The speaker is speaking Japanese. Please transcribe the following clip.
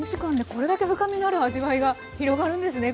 これだけ深みのある味わいが広がるんですね